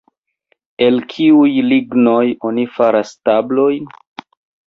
El kiuj lignoj oni faras tablojn?